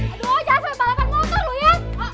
aduh jangan sampe balapan motor lu ya